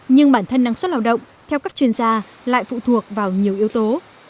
nhưng bản thân năng suất lao động theo các chuyên gia lại phụ thuộc vào nhiều yếu tố